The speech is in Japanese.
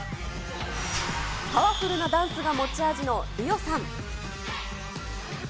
パワフルなダンスが持ち味のリオさん。